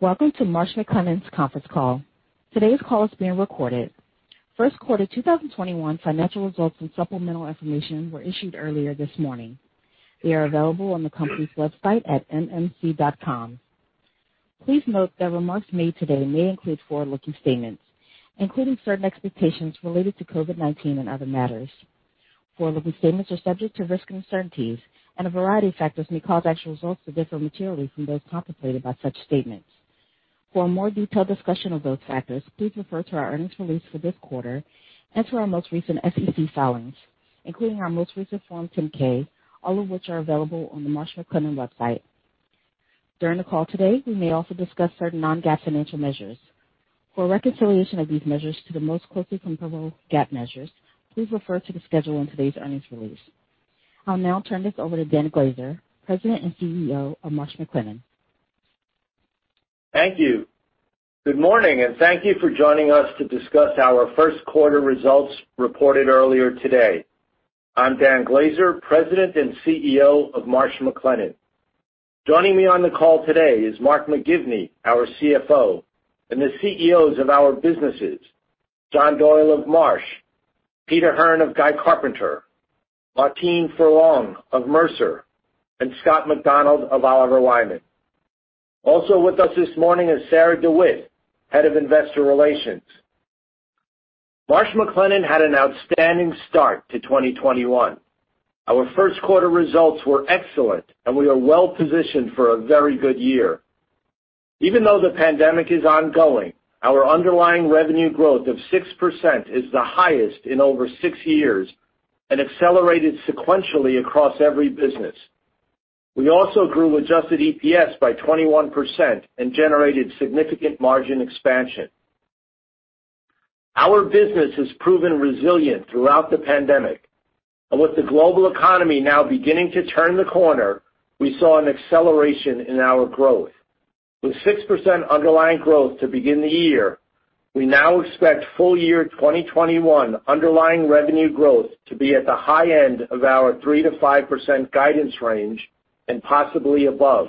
Welcome to Marsh McLennan's conference call. Today's call is being recorded. First quarter 2021 financial results and supplemental information were issued earlier this morning. They are available on the company's website at mmc.com. Please note that remarks made today may include forward-looking statements, including certain expectations related to COVID-19 and other matters. Forward-looking statements are subject to risks and uncertainties, and a variety of factors may cause actual results to differ materially from those contemplated by such statements. For a more detailed discussion of those factors, please refer to our earnings release for this quarter and to our most recent SEC filings, including our most recent Form 10-K, all of which are available on the Marsh McLennan website. During the call today, we may also discuss certain non-GAAP financial measures. For a reconciliation of these measures to the most closely comparable GAAP measures, please refer to the schedule in today's earnings release. I'll now turn this over to Dan Glaser, President and CEO of Marsh McLennan. Thank you. Good morning, and thank you for joining us to discuss our first quarter results reported earlier today. I'm Dan Glaser, President and CEO of Marsh McLennan. Joining me on the call today is Mark McGivney, our CFO, and the CEOs of our businesses, John Doyle of Marsh, Peter Hearn of Guy Carpenter, Martine Ferland of Mercer, and Scott McDonald of Oliver Wyman. Also with us this morning is Sarah DeWitt, Head of Investor Relations. Marsh McLennan had an outstanding start to 2021. Our first quarter results were excellent, and we are well positioned for a very good year. Even though the pandemic is ongoing, our underlying revenue growth of 6% is the highest in over six years and accelerated sequentially across every business. We also grew adjusted EPS by 21% and generated significant margin expansion. Our business has proven resilient throughout the pandemic. With the global economy now beginning to turn the corner, we saw an acceleration in our growth. With 6% underlying growth to begin the year, we now expect full year 2021 underlying revenue growth to be at the high end of our 3%-5% guidance range and possibly above.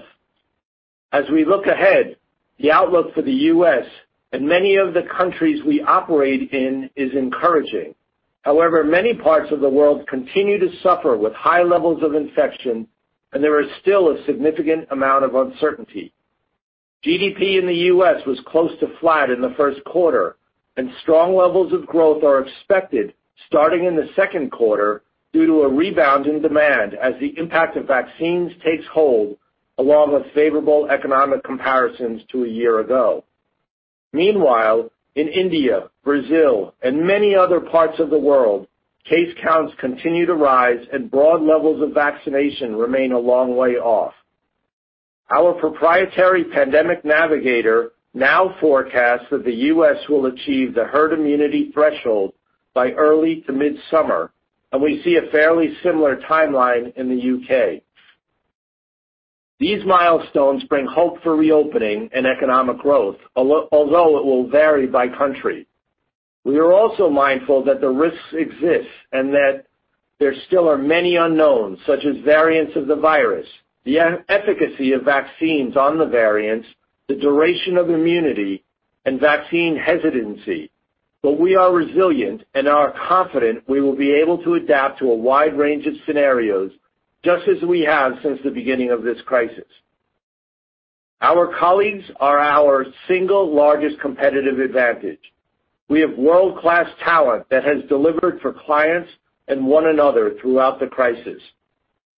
We look ahead, the outlook for the U.S. and many of the countries we operate in is encouraging. Many parts of the world continue to suffer with high levels of infection, and there is still a significant amount of uncertainty. GDP in the U.S. was close to flat in the first quarter, and strong levels of growth are expected starting in the second quarter due to a rebound in demand as the impact of vaccines takes hold, along with favorable economic comparisons to a year ago. In India, Brazil, and many other parts of the world, case counts continue to rise and broad levels of vaccination remain a long way off. Our proprietary Pandemic Navigator now forecasts that the U.S. will achieve the herd immunity threshold by early to mid-summer, and we see a fairly similar timeline in the U.K. These milestones bring hope for reopening and economic growth, although it will vary by country. We are also mindful that the risks exist and that there still are many unknowns, such as variants of the virus, the efficacy of vaccines on the variants, the duration of immunity, and vaccine hesitancy. We are resilient and are confident we will be able to adapt to a wide range of scenarios, just as we have since the beginning of this crisis. Our colleagues are our single largest competitive advantage. We have world-class talent that has delivered for clients and one another throughout the crisis.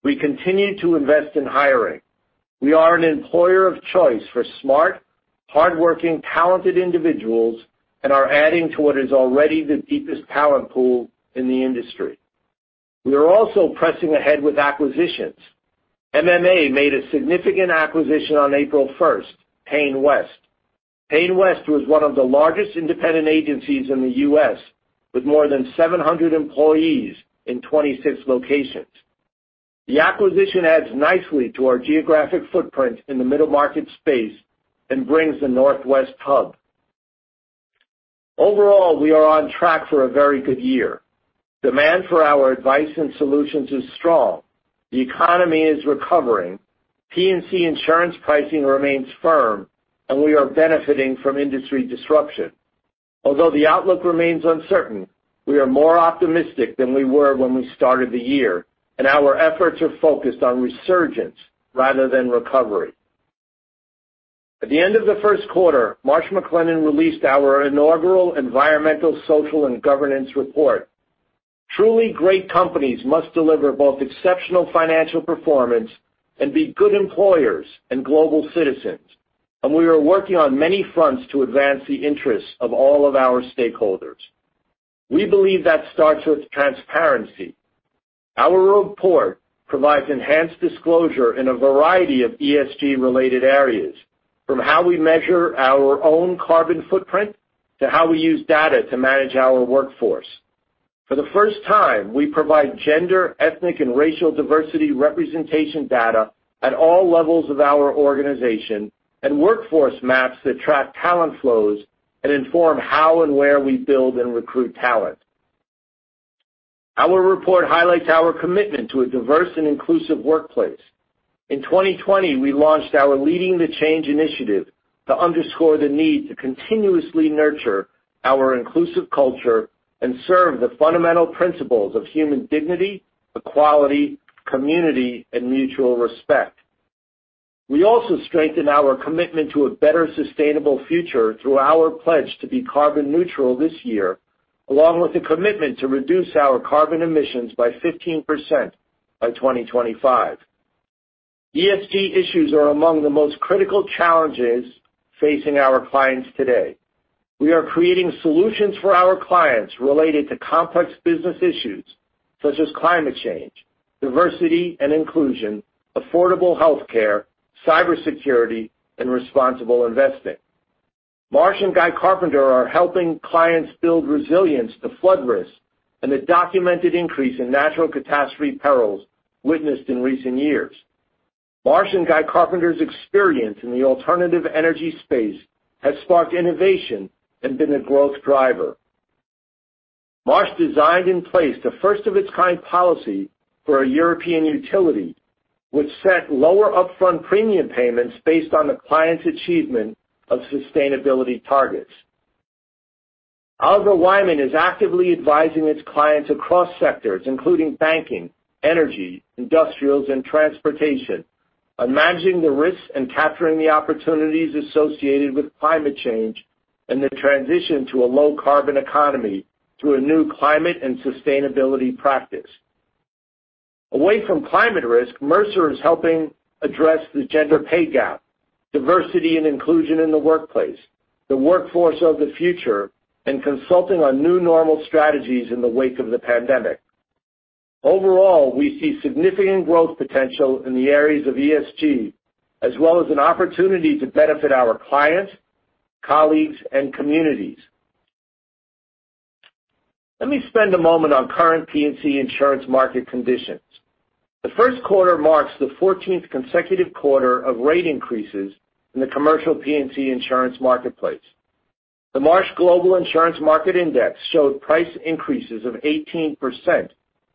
We continue to invest in hiring. We are an employer of choice for smart, hardworking, talented individuals and are adding to what is already the deepest talent pool in the industry. We are also pressing ahead with acquisitions. MMA made a significant acquisition on April 1st, PayneWest. PayneWest was one of the largest independent agencies in the U.S., with more than 700 employees in 26 locations. The acquisition adds nicely to our geographic footprint in the middle market space and brings a Northwest hub. Overall, we are on track for a very good year. Demand for our advice and solutions is strong. The economy is recovering. P&C insurance pricing remains firm, and we are benefiting from industry disruption. Although the outlook remains uncertain, we are more optimistic than we were when we started the year, and our efforts are focused on resurgence rather than recovery. At the end of the first quarter, Marsh McLennan released our inaugural environmental, social, and governance report. Truly great companies must deliver both exceptional financial performance and be good employers and global citizens, and we are working on many fronts to advance the interests of all of our stakeholders. We believe that starts with transparency. Our report provides enhanced disclosure in a variety of ESG related areas, from how we measure our own carbon footprint to how we use data to manage our workforce. For the first time, we provide gender, ethnic, and racial diversity representation data at all levels of our organization and workforce maps that track talent flows and inform how and where we build and recruit talent. Our report highlights our commitment to a diverse and inclusive workplace. In 2020, we launched our Leading the Change initiative to underscore the need to continuously nurture our inclusive culture and serve the fundamental principles of human dignity, equality, community, and mutual respect. We also strengthen our commitment to a better sustainable future through our pledge to be carbon neutral this year, along with a commitment to reduce our carbon emissions by 15% by 2025. ESG issues are among the most critical challenges facing our clients today. We are creating solutions for our clients related to complex business issues such as climate change, diversity and inclusion, affordable healthcare, cybersecurity, and responsible investing. Marsh & Guy Carpenter are helping clients build resilience to flood risks and the documented increase in natural catastrophe perils witnessed in recent years. Marsh & Guy Carpenter's experience in the alternative energy space has sparked innovation and been a growth driver. Marsh designed and placed a first-of-its-kind policy for a European utility, which set lower upfront premium payments based on the client's achievement of sustainability targets. Oliver Wyman is actively advising its clients across sectors, including banking, energy, industrials, and transportation, on managing the risks and capturing the opportunities associated with climate change and the transition to a low-carbon economy through a new climate and sustainability practice. Away from climate risk, Mercer is helping address the gender pay gap, diversity and inclusion in the workplace, the workforce of the future, and consulting on new normal strategies in the wake of the pandemic. Overall, we see significant growth potential in the areas of ESG, as well as an opportunity to benefit our clients, colleagues, and communities. Let me spend a moment on current P&C insurance market conditions. The first quarter marks the 14th consecutive quarter of rate increases in the commercial P&C insurance marketplace. The Marsh Global Insurance Market Index showed price increases of 18%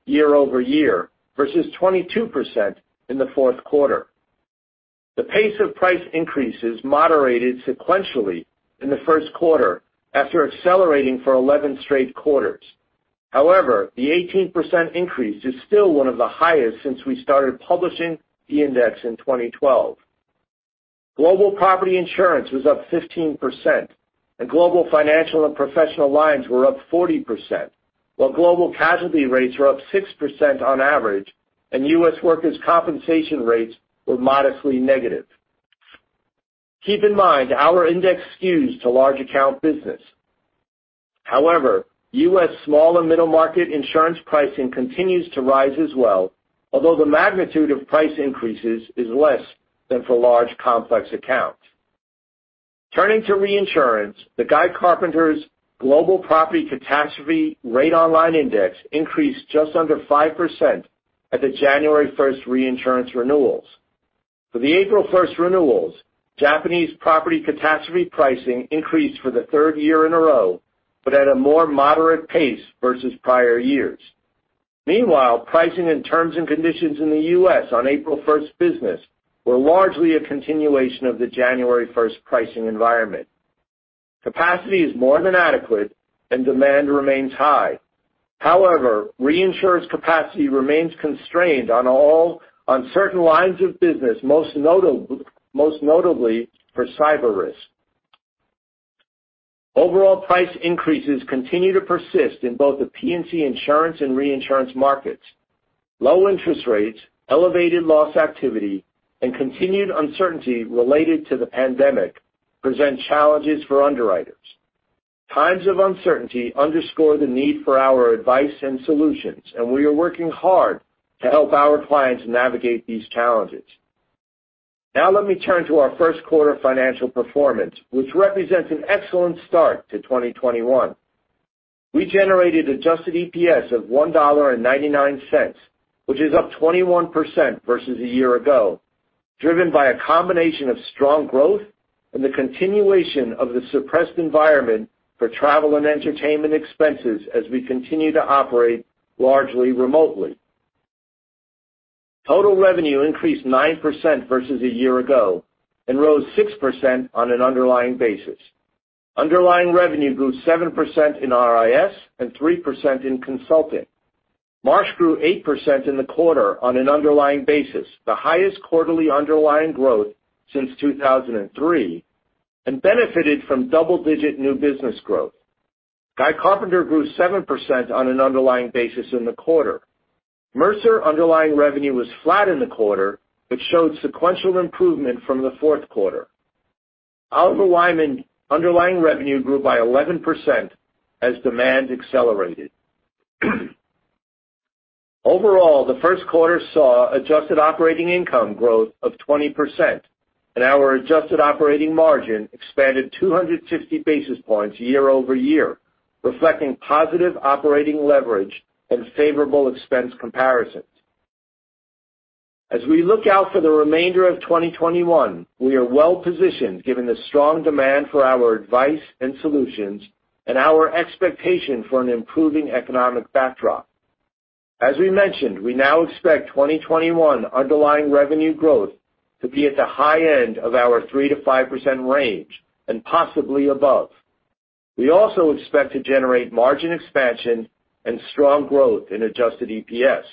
year-over-year, versus 22% in the fourth quarter. The pace of price increases moderated sequentially in the first quarter after accelerating for 11 straight quarters. However, the 18% increase is still one of the highest since we started publishing the index in 2012. Global property insurance was up 15%, and global financial and professional lines were up 40%, while global casualty rates were up 6% on average, and U.S. workers' compensation rates were modestly negative. Keep in mind our index skews to large account business. However, U.S. small and middle-market insurance pricing continues to rise as well, although the magnitude of price increases is less than for large, complex accounts. Turning to reinsurance, the Guy Carpenter's global property catastrophe rate on line index increased just under 5% at the January 1st reinsurance renewals. For the April 1st renewals, Japanese property catastrophe pricing increased for the third year in a row, but at a more moderate pace versus prior years. Meanwhile, pricing and terms and conditions in the U.S. on April 1st business were largely a continuation of the January 1st pricing environment. Capacity is more than adequate, demand remains high. However, reinsurance capacity remains constrained on certain lines of business, most notably for cyber risk. Overall price increases continue to persist in both the P&C insurance and reinsurance markets. Low interest rates, elevated loss activity, and continued uncertainty related to the pandemic present challenges for underwriters. Times of uncertainty underscore the need for our advice and solutions, and we are working hard to help our clients navigate these challenges. Now let me turn to our first quarter financial performance, which represents an excellent start to 2021. We generated adjusted EPS of $1.99, which is up 21% versus a year ago, driven by a combination of strong growth and the continuation of the suppressed environment for travel and entertainment expenses as we continue to operate largely remotely. Total revenue increased 9% versus a year ago and rose 6% on an underlying basis. Underlying revenue grew 7% in RIS and 3% in consulting. Marsh grew 8% in the quarter on an underlying basis, the highest quarterly underlying growth since 2003, and benefited from double-digit new business growth. Guy Carpenter grew 7% on an underlying basis in the quarter. Mercer underlying revenue was flat in the quarter but showed sequential improvement from the fourth quarter. Oliver Wyman underlying revenue grew by 11% as demand accelerated. Overall, the first quarter saw adjusted operating income growth of 20%, and our adjusted operating margin expanded 250 basis points year-over-year, reflecting positive operating leverage and favorable expense comparisons. As we look out for the remainder of 2021, we are well-positioned given the strong demand for our advice and solutions and our expectation for an improving economic backdrop. As we mentioned, we now expect 2021 underlying revenue growth to be at the high end of our 3%-5% range, and possibly above. We also expect to generate margin expansion and strong growth in adjusted EPS.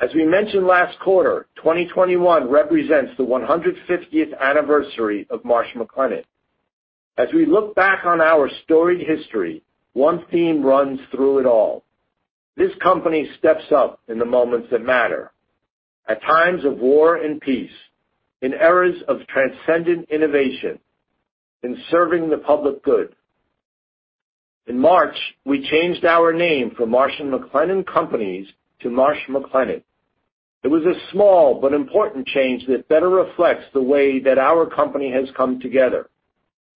As we mentioned last quarter, 2021 represents the 150th anniversary of Marsh McLennan. As we look back on our storied history, one theme runs through it all. This company steps up in the moments that matter, at times of war and peace, in eras of transcendent innovation, in serving the public good. In March, we changed our name from Marsh McLennan Companies to Marsh McLennan. It was a small but important change that better reflects the way that our company has come together.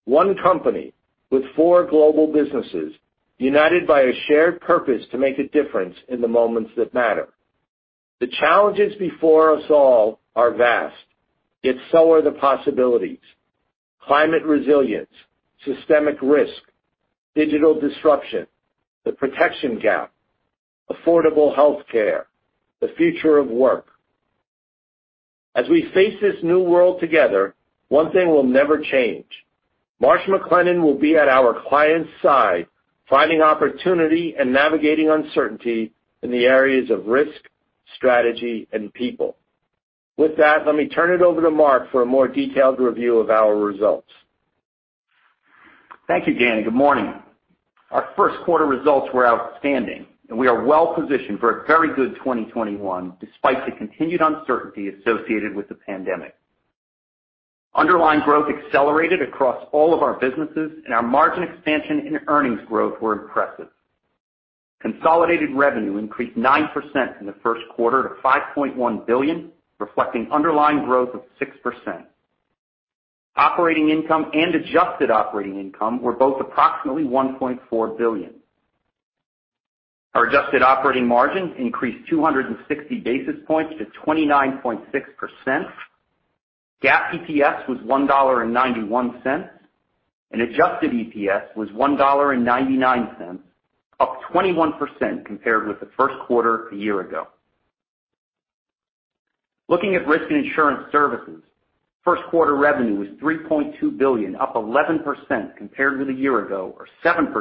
One company with four global businesses, united by a shared purpose to make a difference in the moments that matter. The challenges before us all are vast, yet so are the possibilities. Climate resilience, systemic risk, digital disruption, the protection gap, affordable healthcare, the future of work. As we face this new world together, one thing will never change. Marsh McLennan will be at our clients' side, finding opportunity and navigating uncertainty in the areas of risk, strategy, and people. With that, let me turn it over to Mark for a more detailed review of our results. Thank you, Dan. Good morning. Our first quarter results were outstanding, and we are well-positioned for a very good 2021, despite the continued uncertainty associated with the pandemic. Underlying growth accelerated across all of our businesses, our margin expansion and earnings growth were impressive. Consolidated revenue increased 9% in the first quarter to $5.1 billion, reflecting underlying growth of 6%. Operating income and adjusted operating income were both approximately $1.4 billion. Our adjusted operating margin increased 260 basis points to 29.6%. GAAP EPS was $1.91, adjusted EPS was $1.99, up 21% compared with the first quarter a year ago. Looking at risk and insurance services, first quarter revenue was $3.2 billion, up 11% compared with a year ago, or 7%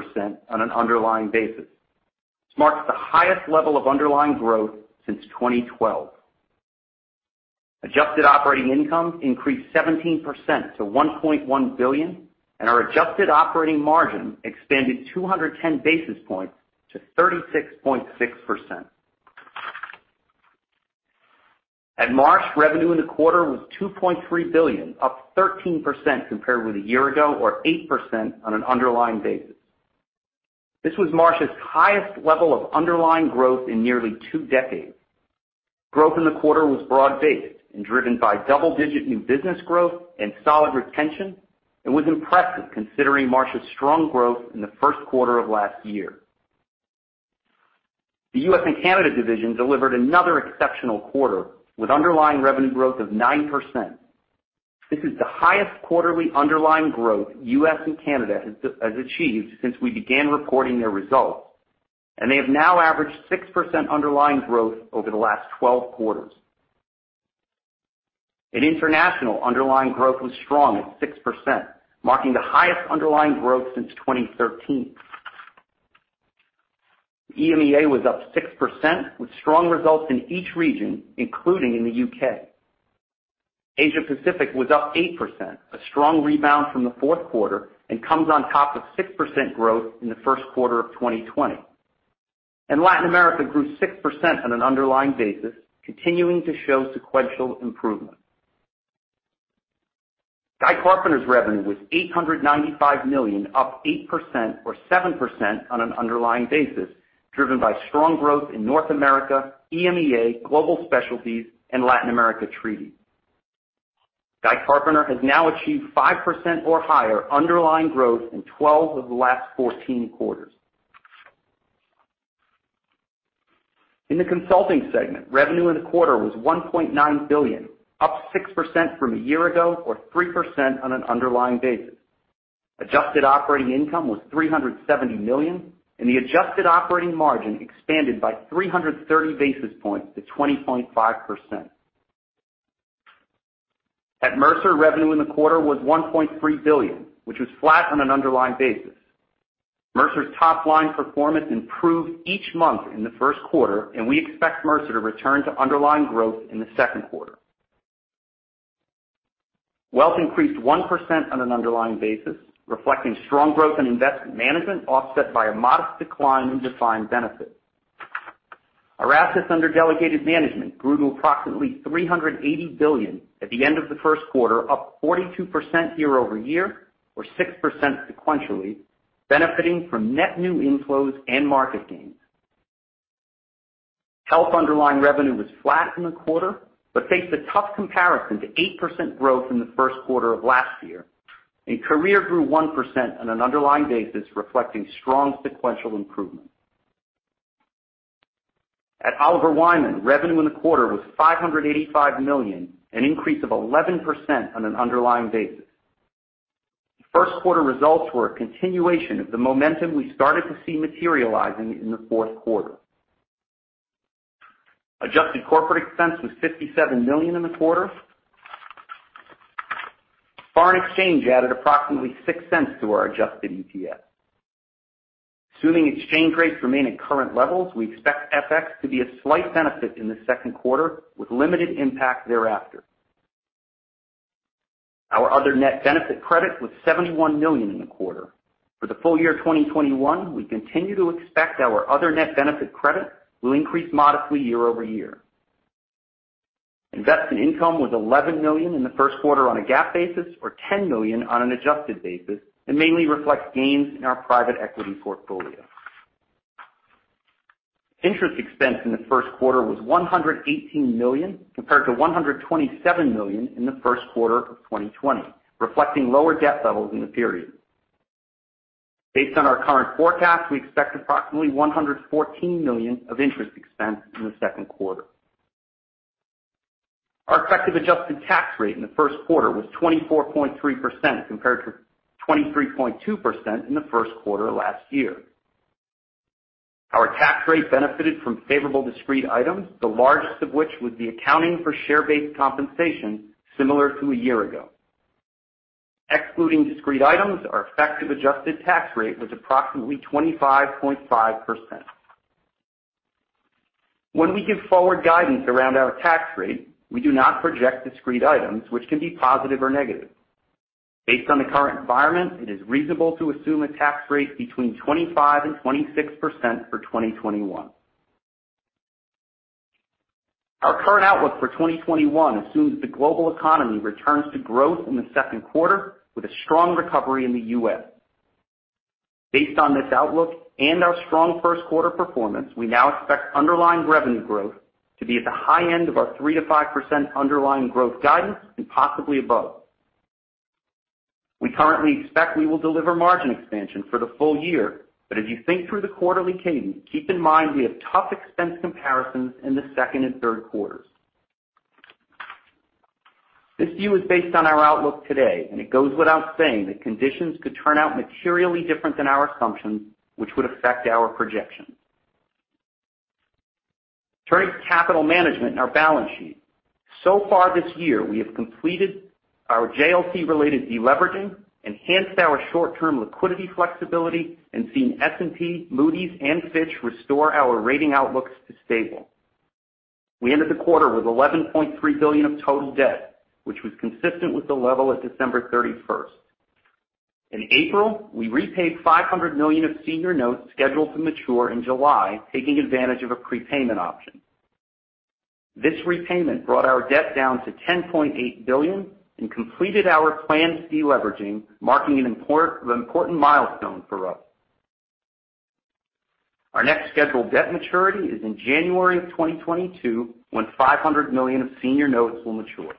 on an underlying basis. This marks the highest level of underlying growth since 2012. Adjusted operating income increased 17% to $1.1 billion, and our adjusted operating margin expanded 210 basis points to 36.6%. At Marsh, revenue in the quarter was $2.3 billion, up 13% compared with a year ago or 8% on an underlying basis. This was Marsh's highest level of underlying growth in nearly two decades. Growth in the quarter was broad-based and driven by double-digit new business growth and solid retention and was impressive considering Marsh's strong growth in the first quarter of last year. The U.S. and Canada division delivered another exceptional quarter, with underlying revenue growth of 9%. This is the highest quarterly underlying growth U.S. and Canada has achieved since we began reporting their results, and they have now averaged 6% underlying growth over the last 12 quarters. In international, underlying growth was strong at 6%, marking the highest underlying growth since 2013. EMEA was up 6%, with strong results in each region, including in the U.K. Asia Pacific was up 8%, a strong rebound from the fourth quarter, and comes on top of 6% growth in the first quarter of 2020. Latin America grew 6% on an underlying basis, continuing to show sequential improvement. Guy Carpenter's revenue was $895 million, up 8% or 7% on an underlying basis, driven by strong growth in North America, EMEA, Global Specialties, and Latin America Treaty. Guy Carpenter has now achieved 5% or higher underlying growth in 12 of the last 14 quarters. In the consulting segment, revenue in the quarter was $1.9 billion, up 6% from a year ago or 3% on an underlying basis. Adjusted operating income was $370 million, and the adjusted operating margin expanded by 330 basis points to 20.5%. At Mercer, revenue in the quarter was $1.3 billion, which was flat on an underlying basis. Mercer's top-line performance improved each month in the first quarter, and we expect Mercer to return to underlying growth in the second quarter. Wealth increased 1% on an underlying basis, reflecting strong growth in investment management offset by a modest decline in defined benefit. Our assets under delegated management grew to approximately $380 billion at the end of the first quarter, up 42% year-over-year or 6% sequentially, benefiting from net new inflows and market gains. Health underlying revenue was flat in the quarter, but faced a tough comparison to 8% growth in the first quarter of last year. Career grew 1% on an underlying basis, reflecting strong sequential improvement. At Oliver Wyman, revenue in the quarter was $585 million, an increase of 11% on an underlying basis. First quarter results were a continuation of the momentum we started to see materializing in the fourth quarter. Adjusted corporate expense was $57 million in the quarter. Foreign exchange added approximately $0.06 to our adjusted EPS. Assuming exchange rates remain at current levels, we expect FX to be a slight benefit in the second quarter, with limited impact thereafter. Our other net benefit credit was $71 million in the quarter. For the full year 2021, we continue to expect our other net benefit credit will increase modestly year-over-year. Investment income was $11 million in the first quarter on a GAAP basis, or $10 million on an adjusted basis, and mainly reflects gains in our private equity portfolio. Interest expense in the first quarter was $118 million compared to $127 million in the first quarter of 2020, reflecting lower debt levels in the period. Based on our current forecast, we expect approximately $114 million of interest expense in the second quarter. Our effective adjusted tax rate in the first quarter was 24.3%, compared to 23.2% in the first quarter last year. Our tax rate benefited from favorable discrete items, the largest of which was the accounting for share-based compensation, similar to a year ago. Excluding discrete items, our effective adjusted tax rate was approximately 25.5%. When we give forward guidance around our tax rate, we do not project discrete items, which can be positive or negative. Based on the current environment, it is reasonable to assume a tax rate between 25% and 26% for 2021. Our current outlook for 2021 assumes the global economy returns to growth in the second quarter, with a strong recovery in the U.S. Based on this outlook and our strong first quarter performance, we now expect underlying revenue growth to be at the high end of our 3%-5% underlying growth guidance, and possibly above. We currently expect we will deliver margin expansion for the full year, but as you think through the quarterly cadence, keep in mind we have tough expense comparisons in the second and third quarters. This view is based on our outlook today, and it goes without saying that conditions could turn out materially different than our assumptions, which would affect our projections. Turning to capital management and our balance sheet. Far this year, we have completed our JLT-related deleveraging, enhanced our short-term liquidity flexibility, and seen S&P, Moody's, and Fitch restore our rating outlooks to stable. We ended the quarter with $11.3 billion of total debt, which was consistent with the level at December 31st. In April, we repaid $500 million of senior notes scheduled to mature in July, taking advantage of a prepayment option. This repayment brought our debt down to $10.8 billion and completed our planned deleveraging, marking an important milestone for us. Our next scheduled debt maturity is in January of 2022, when $500 million of senior notes will mature.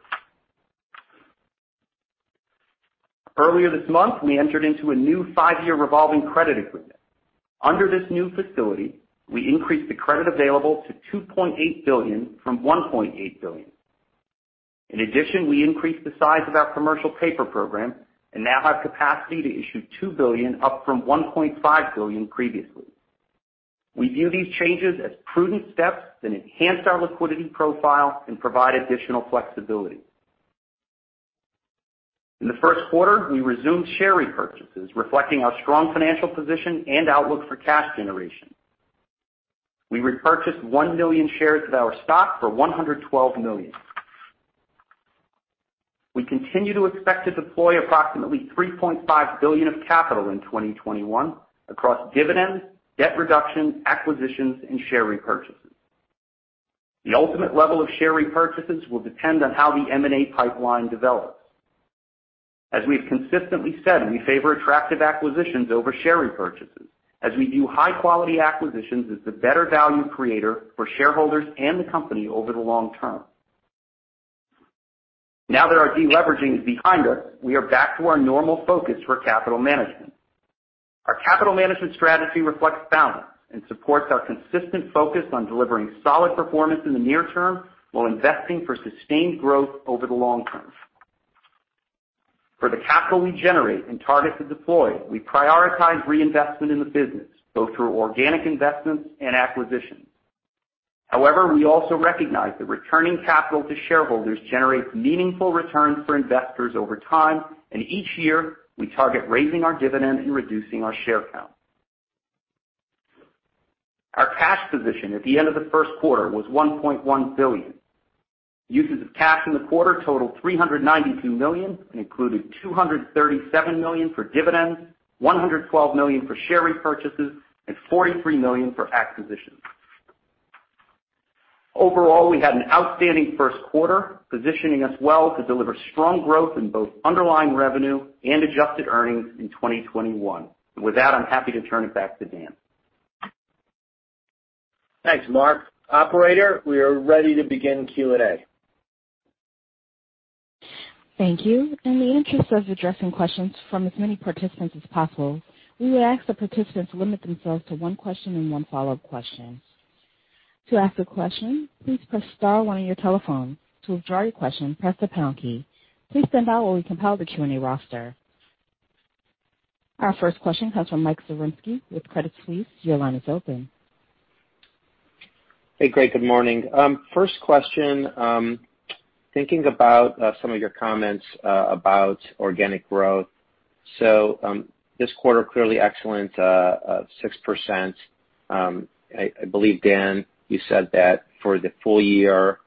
Earlier this month, we entered into a new five-year revolving credit agreement. Under this new facility, we increased the credit available to $2.8 billion from $1.8 billion. In addition, we increased the size of our commercial paper program and now have capacity to issue $2 billion, up from $1.5 billion previously. We view these changes as prudent steps that enhance our liquidity profile and provide additional flexibility. In the first quarter, we resumed share repurchases, reflecting our strong financial position and outlook for cash generation. We repurchased 1 million shares of our stock for $112 million. We continue to expect to deploy approximately $3.5 billion of capital in 2021 across dividends, debt reduction, acquisitions, and share repurchases. The ultimate level of share repurchases will depend on how the M&A pipeline develops. As we've consistently said, we favor attractive acquisitions over share repurchases as we view high-quality acquisitions as the better value creator for shareholders and the company over the long term. Now that our deleveraging is behind us, we are back to our normal focus for capital management. Our capital management strategy reflects balance and supports our consistent focus on delivering solid performance in the near term while investing for sustained growth over the long term. For the capital we generate and target to deploy, we prioritize reinvestment in the business, both through organic investments and acquisitions. However, we also recognize that returning capital to shareholders generates meaningful returns for investors over time, and each year, we target raising our dividend and reducing our share count. Our cash position at the end of the first quarter was $1.1 billion. Uses of cash in the quarter totaled $392 million and included $237 million for dividends, $112 million for share repurchases, and $43 million for acquisitions. Overall, we had an outstanding first quarter, positioning us well to deliver strong growth in both underlying revenue and adjusted earnings in 2021. With that, I'm happy to turn it back to Dan. Thanks, Mark. Operator, we are ready to begin Q&A. Thank you. In the interest of addressing questions from as many participants as possible, we would ask that participants limit themselves to one question and one follow-up question. To ask a question, please press star one on your telephone. To withdraw your question press the pound key. Our first question comes from Mike Zaremski with Credit Suisse. Your line is open. Hey, Greg. Good morning. First question. Thinking about some of your comments about organic growth. This quarter, clearly excellent, 6%. I believe, Dan, you said that for the full year,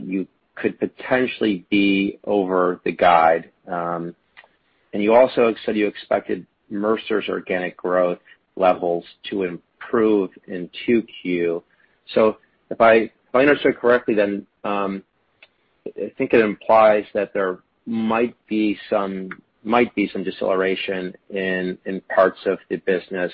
you could potentially be over the guide. You also said you expected Mercer's organic growth levels to improve in 2Q. If I understand correctly, I think it implies that there might be some deceleration in parts of the business,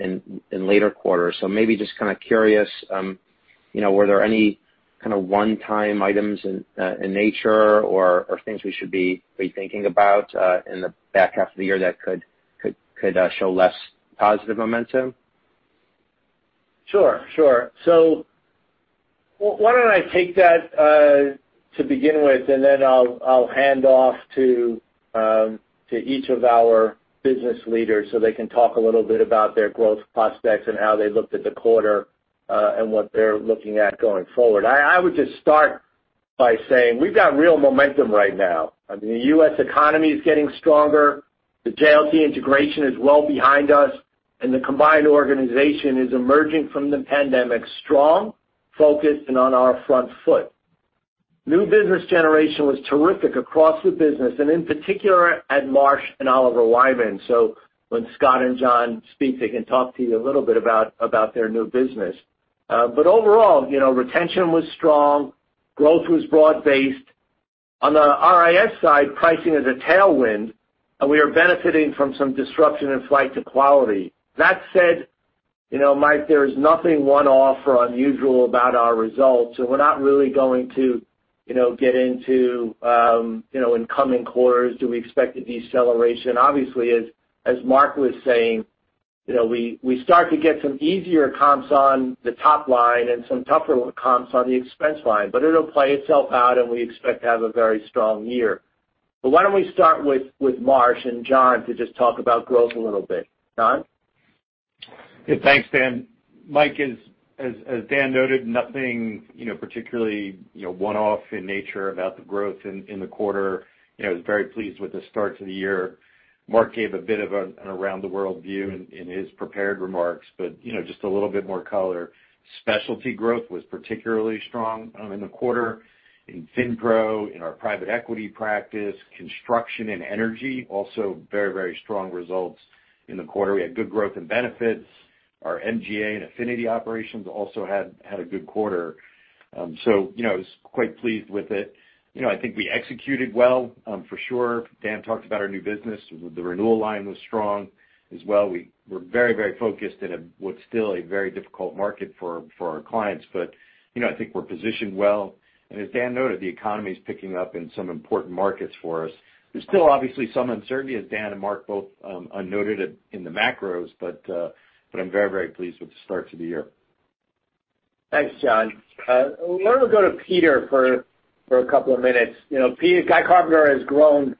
in later quarters. Maybe just kind of curious, were there any kind of one-time items in nature or things we should be thinking about in the back half of the year that could show less positive momentum? Sure. Why don't I take that to begin with, and then I'll hand off to each of our business leaders so they can talk a little bit about their growth prospects and how they looked at the quarter, and what they're looking at going forward. I would just start by saying we've got real momentum right now. I mean, the U.S. economy is getting stronger. The JLT integration is well behind us, and the combined organization is emerging from the pandemic strong, focused, and on our front foot. New business generation was terrific across the business, and in particular at Marsh & Oliver Wyman. When Scott and John speak, they can talk to you a little bit about their new business. Overall, retention was strong, growth was broad-based. On the RIS side, pricing is a tailwind, and we are benefiting from some disruption in flight to quality. That said, Mike, there is nothing one-off or unusual about our results, so we're not really going to get into, in coming quarters, do we expect a deceleration? Obviously, as Mark was saying, we start to get some easier comps on the top line and some tougher comps on the expense line. It'll play itself out, and we expect to have a very strong year. Why don't we start with Marsh and John to just talk about growth a little bit. John? Good. Thanks, Dan. Mike, as Dan noted, nothing particularly one-off in nature about the growth in the quarter. I was very pleased with the start to the year. Mark gave a bit of an around-the-world view in his prepared remarks, just a little bit more color. Specialty growth was particularly strong in the quarter. In FINPRO, in our private equity practice, construction and energy, also very strong results in the quarter. We had good growth and benefits. Our MGA and affinity operations also had a good quarter. I was quite pleased with it. I think I executed well for sure. Dan talked about our new business. The renewal line was strong as well. We're very focused in what's still a very difficult market for our clients. I think we're positioned well. As Dan noted, the economy's picking up in some important markets for us. There's still obviously some uncertainty as Dan and Mark both noted in the macros, but I'm very pleased with the start to the year. Thanks, John. Why don't we go to Peter for a couple of minutes. Guy Carpenter has grown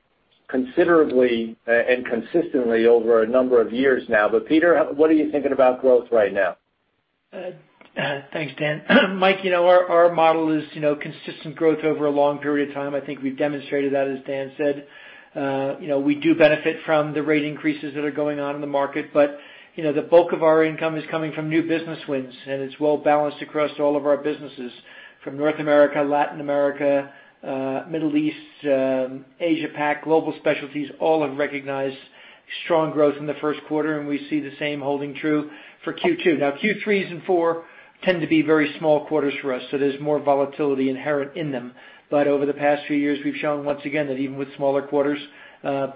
considerably and consistently over a number of years now. Peter, what are you thinking about growth right now? Thanks, Dan. Mike, our model is consistent growth over a long period of time. I think we've demonstrated that, as Dan said. We do benefit from the rate increases that are going on in the market, but the bulk of our income is coming from new business wins, and it's well-balanced across all of our businesses. From North America, Latin America, Middle East, Asia Pac, Global Specialties all have recognized strong growth in the first quarter, and we see the same holding true for Q2. Now, Q3s and Q4 tend to be very small quarters for us, so there's more volatility inherent in them. Over the past few years, we've shown once again that even with smaller quarters,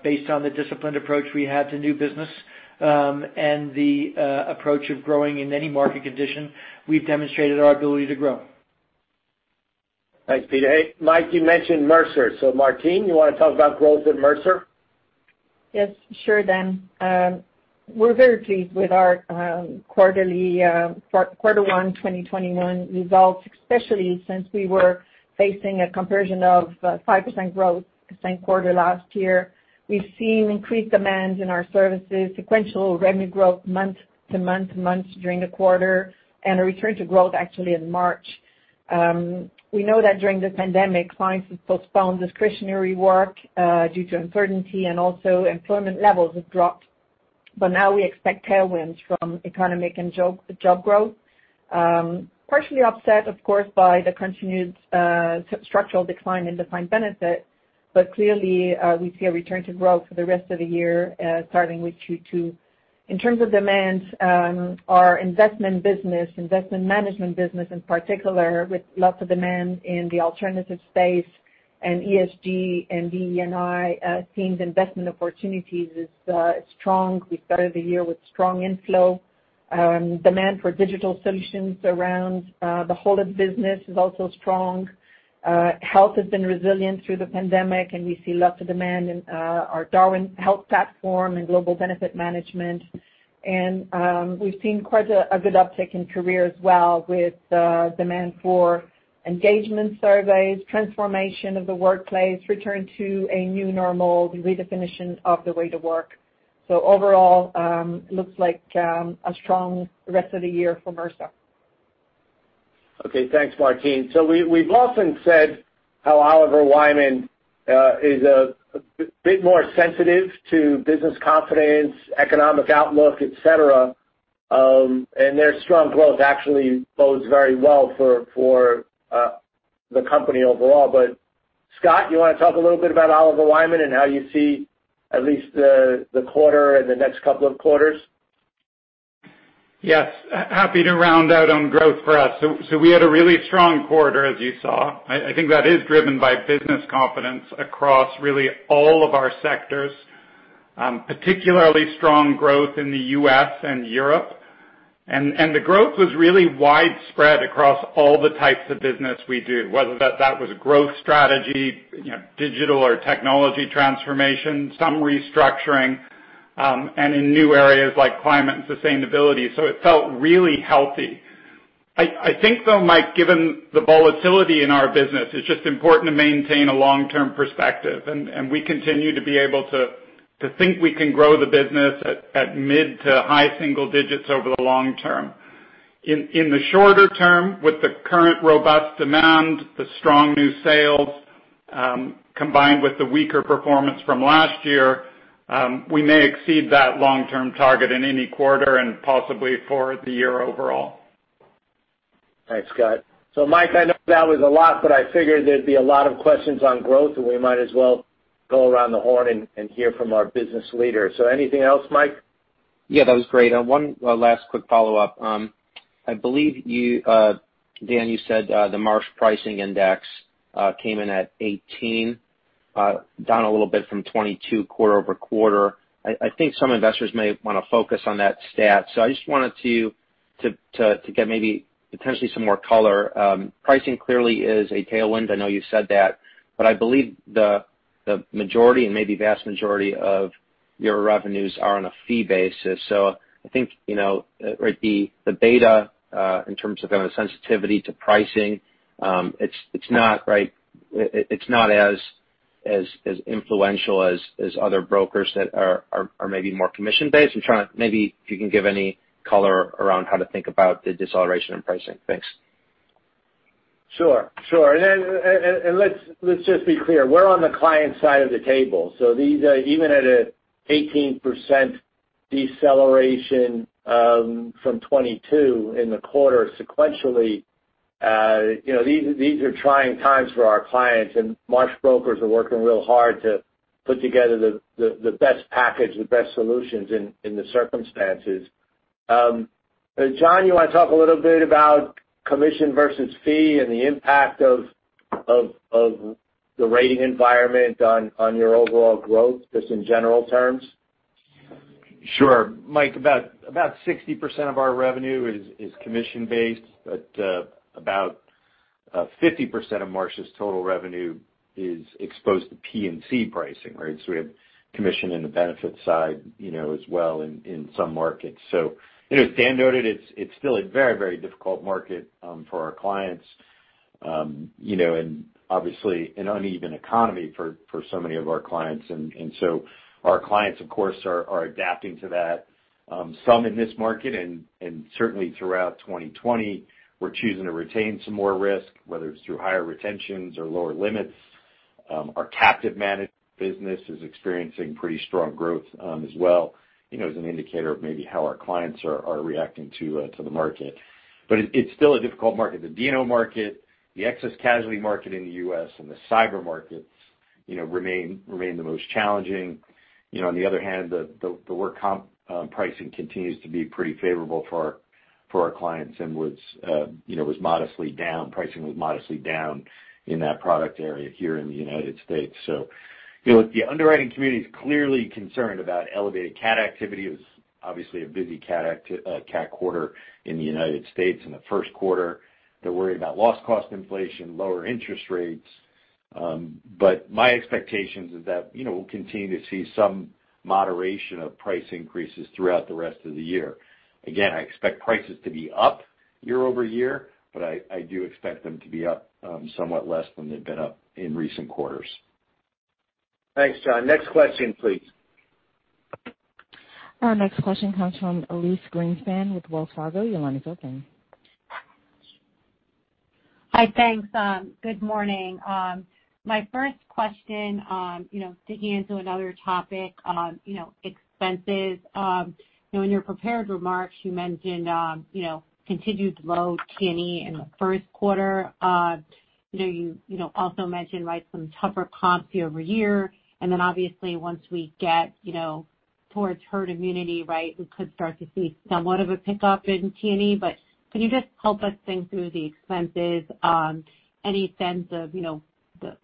based on the disciplined approach we have to new business, and the approach of growing in any market condition, we've demonstrated our ability to grow. Thanks, Peter. Hey, Mike, you mentioned Mercer. Martine, you want to talk about growth at Mercer? Yes. Sure, Dan. We're very pleased with our quarter one 2021 results, especially since we were facing a comparison of 5% growth the same quarter last year. We've seen increased demand in our services, sequential revenue growth month-to-month during the quarter, and a return to growth actually in March. We know that during this pandemic, clients have postponed discretionary work due to uncertainty, and also employment levels have dropped. Now we expect tailwinds from economic and job growth. Partially offset, of course, by the continued structural decline in defined benefit, Clearly, we see a return to growth for the rest of the year, starting with Q2. In terms of demands, our investment business, investment management business in particular, with lots of demand in the alternative space and ESG and DE&I themes investment opportunities is strong. We started the year with strong inflow. Demand for digital solutions around the whole of the business is also strong. Health has been resilient through the pandemic, and we see lots of demand in our Darwin Health platform and global benefit management. We've seen quite a good uptick in Career as well with demand for engagement surveys, transformation of the workplace, return to a new normal, the redefinition of the way to work. Overall, looks like a strong rest of the year for Mercer. Okay. Thanks, Martine. We've often said how Oliver Wyman is a bit more sensitive to business confidence, economic outlook, et cetera, and their strong growth actually bodes very well for the company overall. Scott, you want to talk a little bit about Oliver Wyman and how you see at least the quarter and the next couple of quarters? Yes. Happy to round out on growth for us. We had a really strong quarter, as you saw. I think that is driven by business confidence across really all of our sectors. Particularly strong growth in the U.S. and Europe. The growth was really widespread across all the types of business we do, whether that was growth strategy, digital or technology transformation, some restructuring, and in new areas like climate and sustainability. It felt really healthy. I think, though, Mike, given the volatility in our business, it's just important to maintain a long-term perspective, and we continue to be able to think we can grow the business at mid to high single digits over the long term. In the shorter term, with the current robust demand, the strong new sales, combined with the weaker performance from last year, we may exceed that long-term target in any quarter and possibly for the year overall. Thanks, Scott. Mike, I know that was a lot, but I figured there'd be a lot of questions on growth, and we might as well go around the horn and hear from our business leaders. Anything else, Mike? Yeah, that was great. One last quick follow-up. I believe, Dan, you said the Marsh pricing index came in at 18, down a little bit from 22 quarter-over-quarter. I think some investors may want to focus on that stat. I just wanted to get maybe potentially some more color. Pricing clearly is a tailwind. I know you said that. I believe the majority and maybe vast majority of your revenues are on a fee basis. I think, the beta, in terms of sensitivity to pricing, it's not as influential as other brokers that are maybe more commission-based. I'm trying to maybe if you can give any color around how to think about the deceleration in pricing. Thanks. Sure. Let's just be clear. We're on the client side of the table. Even at an 18% deceleration from 2022 in the quarter sequentially, these are trying times for our clients, and Marsh brokers are working real hard to put together the best package, the best solutions in the circumstances. John, you want to talk a little bit about commission versus fee and the impact of the rating environment on your overall growth, just in general terms? Sure. Mike, about 60% of our revenue is commission-based, but about 50% of Marsh's total revenue is exposed to P&C pricing. We have commission in the benefit side as well in some markets. As Dan noted, it's still a very difficult market for our clients, and obviously an uneven economy for so many of our clients. Our clients, of course, are adapting to that. Some in this market and certainly throughout 2020, we're choosing to retain some more risk, whether it's through higher retentions or lower limits. Our captive managed business is experiencing pretty strong growth as well as an indicator of maybe how our clients are reacting to the market. It's still a difficult market. The D&O market, the excess casualty market in the U.S., and the cyber markets remain the most challenging. On the other hand, the work comp pricing continues to be pretty favorable for our clients and pricing was modestly down in that product area here in the U.S. The underwriting community is clearly concerned about elevated cat activity. It was obviously a busy cat quarter in the U.S. in the first quarter. They're worried about loss cost inflation, lower interest rates. My expectations is that we'll continue to see some moderation of price increases throughout the rest of the year. I expect prices to be up year-over-year, but I do expect them to be up somewhat less than they've been up in recent quarters. Thanks, John. Next question, please. Our next question comes from Elyse Greenspan with Wells Fargo. Your line is open. Hi, thanks. Good morning. My first question, digging into another topic on expenses. In your prepared remarks, you mentioned continued low T&E in the first quarter. You also mentioned some tougher comps year-over-year, obviously once we get towards herd immunity, we could start to see somewhat of a pickup in T&E. Could you just help us think through the expenses? Any sense of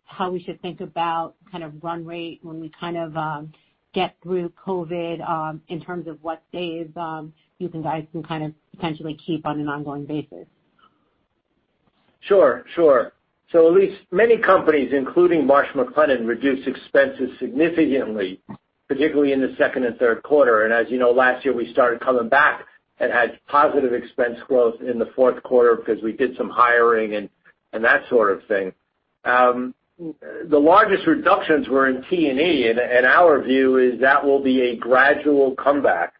how we should think about run rate when we get through COVID, in terms of what saves you guys can potentially keep on an ongoing basis? Sure. Elyse, many companies, including Marsh McLennan, reduced expenses significantly, particularly in the second and third quarter. As you know, last year, we started coming back and had positive expense growth in the fourth quarter because we did some hiring and that sort of thing. The largest reductions were in T&E, and our view is that will be a gradual comeback.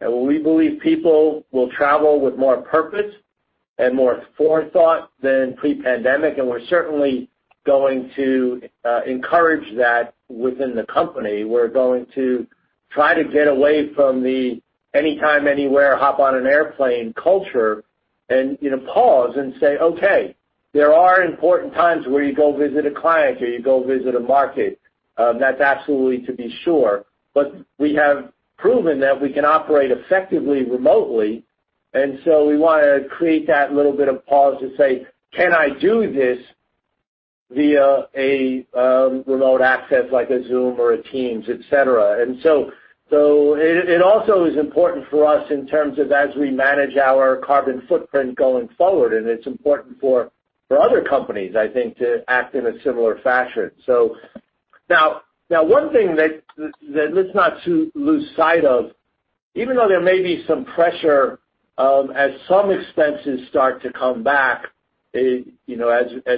We believe people will travel with more purpose and more forethought than pre-pandemic, and we're certainly going to encourage that within the company. We're going to try to get away from the anytime, anywhere, hop on an airplane culture and pause and say, "Okay, there are important times where you go visit a client, or you go visit a market." That's absolutely to be sure. We have proven that we can operate effectively remotely, and so we want to create that little bit of pause to say, "Can I do this via a remote access like a Zoom or a Teams, et cetera?" It also is important for us in terms of as we manage our carbon footprint going forward, and it's important for other companies, I think, to act in a similar fashion. Now, one thing that let's not lose sight of, even though there may be some pressure as some expenses start to come back as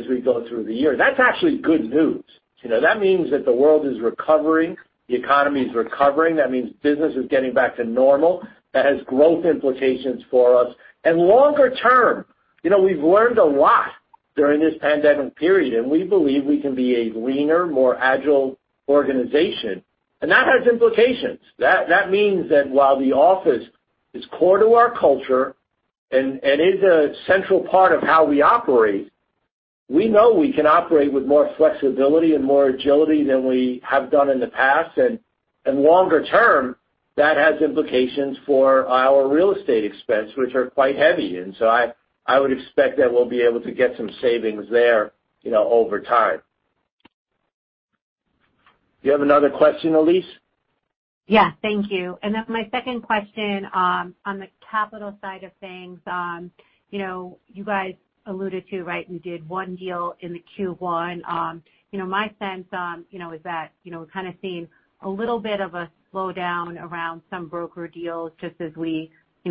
we go through the year, that's actually good news. That means that the world is recovering, the economy is recovering. That means business is getting back to normal. That has growth implications for us. Longer term, we've learned a lot during this pandemic period, and we believe we can be a leaner, more agile organization. That has implications. That means that while the office is core to our culture and is a central part of how we operate, we know we can operate with more flexibility and more agility than we have done in the past. Longer term, that has implications for our real estate expense, which are quite heavy. I would expect that we'll be able to get some savings there over time. Do you have another question, Elyse? Yeah, thank you. My second question, on the capital side of things, you guys alluded to, you did one deal in the Q1. My sense is that we're kind of seeing a little bit of a slowdown around some broker deals, just as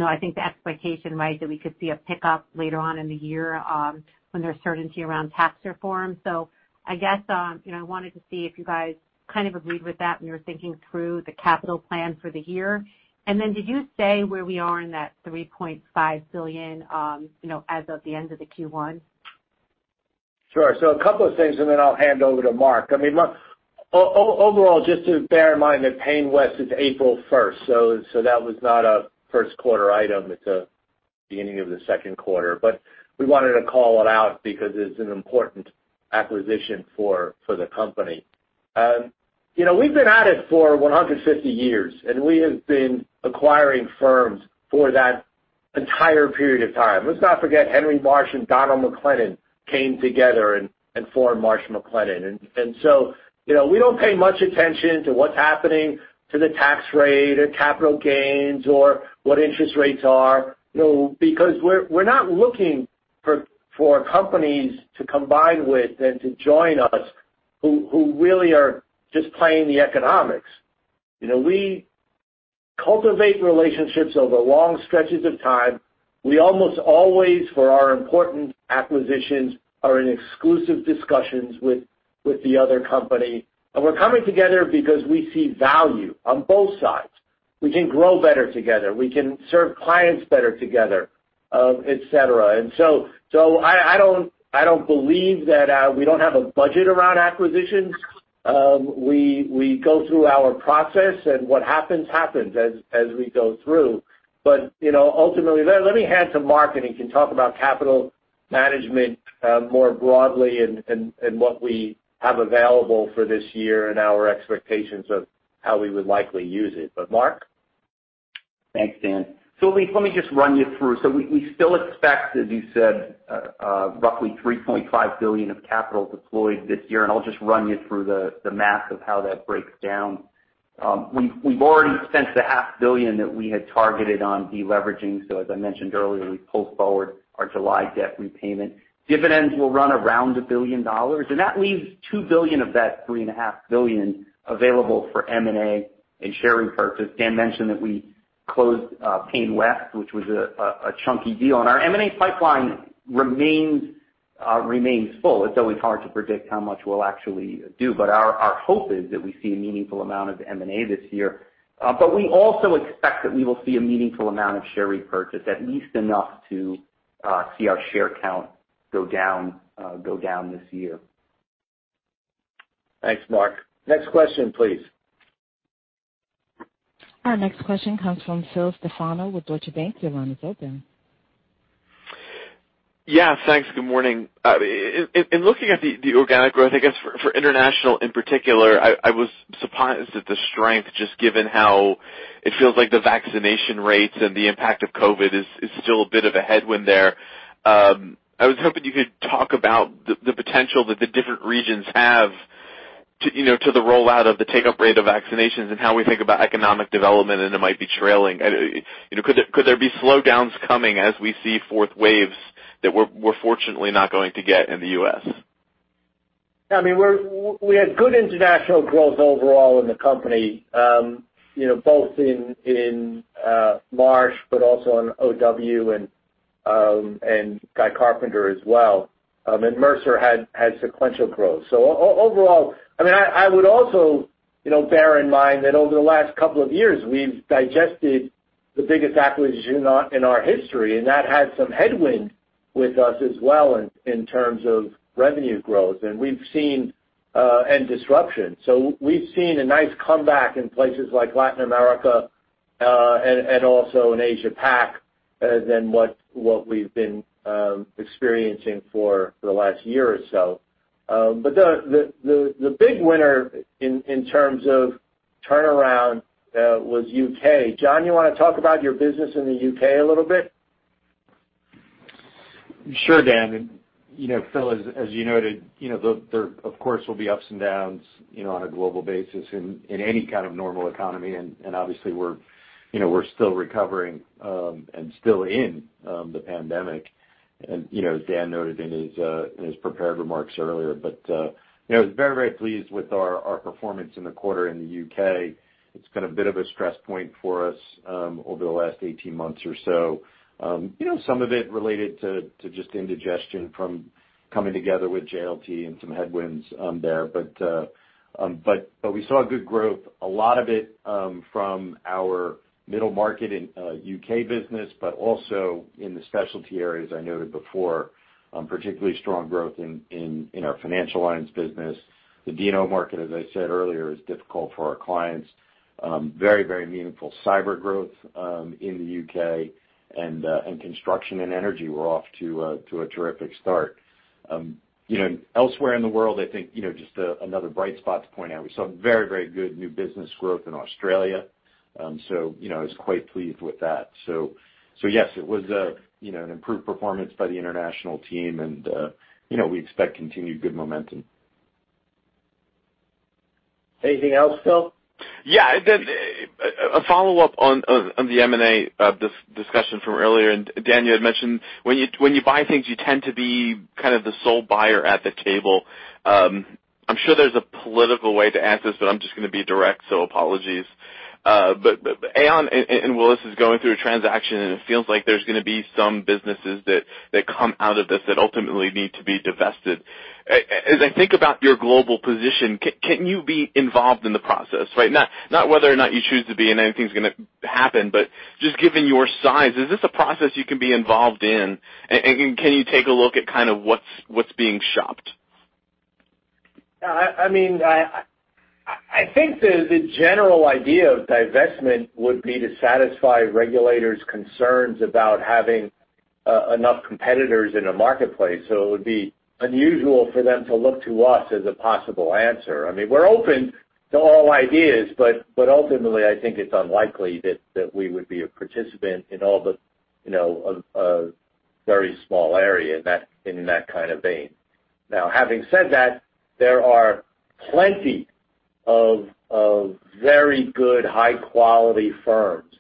I think the expectation that we could see a pickup later on in the year when there's certainty around tax reform. I guess, I wanted to see if you guys kind of agreed with that when you were thinking through the capital plan for the year. Did you say where we are in that $3.5 billion, as of the end of the Q1? Sure. A couple of things, and then I'll hand over to Mark. Overall, just to bear in mind that PayneWest is April 1st, so that was not a first quarter item, it's a beginning of the second quarter. We wanted to call it out because it's an important acquisition for the company. We've been at it for 150 years, and we have been acquiring firms for that entire period of time. Let's not forget, Henry Marsh and Donald McLennan came together and formed Marsh McLennan. We don't pay much attention to what's happening to the tax rate or capital gains or what interest rates are because we're not looking for companies to combine with and to join us who really are just playing the economics. We cultivate relationships over long stretches of time. We almost always, for our important acquisitions, are in exclusive discussions with the other company. We're coming together because we see value on both sides. We can grow better together. We can serve clients better together, et cetera. I don't believe that we don't have a budget around acquisitions. We go through our process, and what happens as we go through. Ultimately, let me hand to Mark, and he can talk about capital management more broadly and what we have available for this year and our expectations of how we would likely use it. Mark? Thanks, Dan. Elyse, let me just run you through. We still expect, as you said, roughly $3.5 billion of capital deployed this year, I'll just run you through the math of how that breaks down. We've already spent the half billion that we had targeted on deleveraging. As I mentioned earlier, we pulled forward our July debt repayment. Dividends will run around $1 billion, that leaves $2 billion of that $3.5 billion available for M&A and share repurchase. Dan mentioned that we closed PayneWest, which was a chunky deal, Our M&A pipeline remains full. It's always hard to predict how much we'll actually do, but our hope is that we see a meaningful amount of M&A this year. We also expect that we will see a meaningful amount of share repurchase, at least enough to see our share count go down this year. Thanks, Mark. Next question, please. Our next question comes from Phil Stefano with Deutsche Bank. Your line is open. Yeah, thanks. Good morning. In looking at the organic growth, I guess for international in particular, I was surprised at the strength, just given how it feels like the vaccination rates and the impact of COVID is still a bit of a headwind there. I was hoping you could talk about the potential that the different regions have to the rollout of the take-up rate of vaccinations and how we think about economic development, and it might be trailing. Could there be slowdowns coming as we see fourth waves that we're fortunately not going to get in the U.S.? Yeah, we had good international growth overall in the company, both in Marsh but also in OW and Guy Carpenter as well. Mercer had sequential growth. Overall, I would also bear in mind that over the last couple of years, we've digested the biggest acquisition in our history, and that had some headwind with us as well in terms of revenue growth and disruption. We've seen a nice comeback in places like Latin America, and also in Asia Pac, than what we've been experiencing for the last year or so. The big winner in terms of turnaround was U.K. John, you want to talk about your business in the U.K. a little bit? Sure, Dan. Phil, as you noted, there, of course, will be ups and downs on a global basis in any kind of normal economy. Obviously, we're still recovering and still in the pandemic, as Dan noted in his prepared remarks earlier. I was very, very pleased with our performance in the quarter in the U.K. It's been a bit of a stress point for us over the last 18 months or so. Some of it related to just indigestion from coming together with JLT and some headwinds there. We saw good growth, a lot of it from our middle market in U.K. business, but also in the specialty areas I noted before, particularly strong growth in our financial lines business. The D&O market, as I said earlier, is difficult for our clients. Very, very meaningful cyber growth in the U.K., construction and energy were off to a terrific start. Elsewhere in the world, I think, just another bright spot to point out, we saw very, very good new business growth in Australia. I was quite pleased with that. Yes, it was an improved performance by the international team, we expect continued good momentum. Anything else, Phil? Yeah. A follow-up on the M&A discussion from earlier, Dan, you had mentioned when you buy things, you tend to be kind of the sole buyer at the table. I'm sure there's a political way to ask this, I'm just going to be direct, apologies. Aon and Willis is going through a transaction, it feels like there's going to be some businesses that come out of this that ultimately need to be divested. As I think about your global position, can you be involved in the process? Not whether or not you choose to be anything's going to happen, just given your size, is this a process you can be involved in, can you take a look at what's being shopped? I think the general idea of divestment would be to satisfy regulators' concerns about having enough competitors in a marketplace. It would be unusual for them to look to us as a possible answer. We're open to all ideas, but ultimately, I think it's unlikely that we would be a participant in all but a very small area in that kind of vein. Having said that, there are plenty of very good, high-quality firms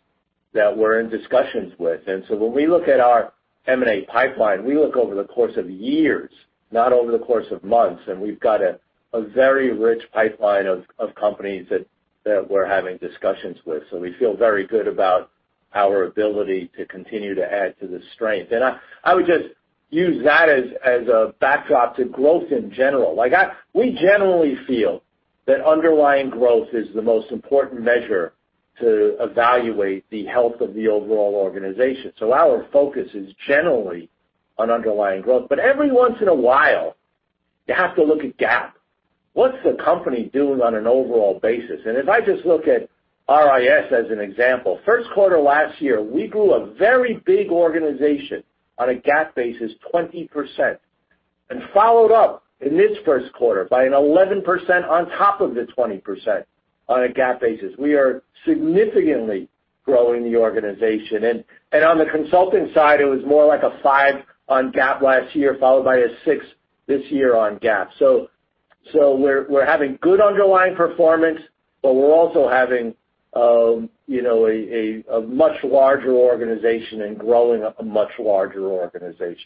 that we're in discussions with. When we look at our M&A pipeline, we look over the course of years, not over the course of months, and we've got a very rich pipeline of companies that we're having discussions with. We feel very good about our ability to continue to add to the strength. I would just use that as a backdrop to growth in general. We generally feel that underlying growth is the most important measure to evaluate the health of the overall organization. Our focus is generally on underlying growth. Every once in a while, you have to look at GAAP. What's the company doing on an overall basis? If I just look at RIS as an example, first quarter last year, we grew a very big organization on a GAAP basis 20% and followed up in this first quarter by an 11% on top of the 20% on a GAAP basis. We are significantly growing the organization. On the consulting side, it was more like a five on GAAP last year, followed by a six this year on GAAP. We're having good underlying performance, but we're also having a much larger organization and growing a much larger organization.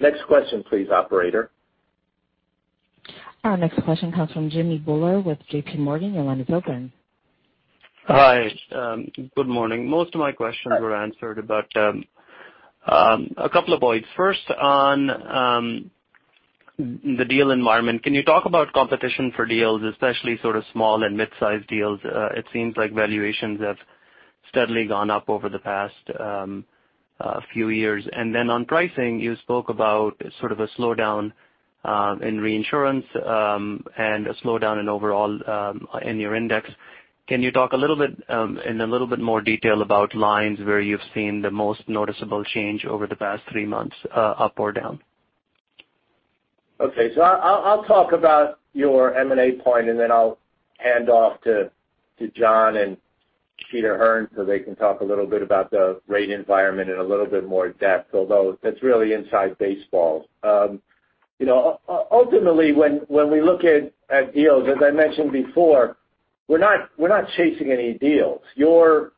Next question, please, operator. Our next question comes from Jimmy Bhullar with JPMorgan. Your line is open. Hi. Good morning. Most of my questions were answered, but a couple of points. First, on the deal environment, can you talk about competition for deals, especially sort of small and mid-sized deals? It seems like valuations have steadily gone up over the past few years. On pricing, you spoke about sort of a slowdown in reinsurance and a slowdown in your index. Can you talk in a little bit more detail about lines where you've seen the most noticeable change over the past three months, up or down? Okay. I'll talk about your M&A point, and then I'll hand off to John and Peter Hearn, they can talk a little bit about the rate environment in a little bit more depth, although that's really inside baseball. Ultimately, when we look at deals, as I mentioned before, we're not chasing any deals. Your